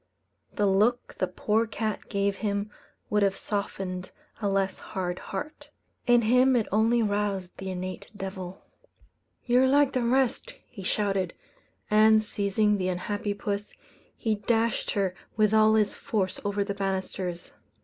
The look the poor cat gave him would have softened a less hard heart; in him it only roused the innate devil. "You're like the rest," he shouted; and, seizing the unhappy puss, he dashed her with all his force over the banisters.